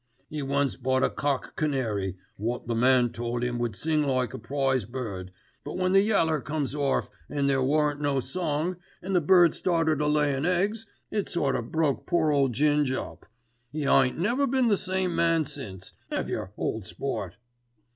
'E once bought a cock canary, wot the man told 'im would sing like a prize bird; but when the yaller comes orf an' there warn't no song, and the bird started a layin' eggs, it sort o' broke poor ole Ging. up. 'E ain't never been the same man since, 'ave yer, ole sport?"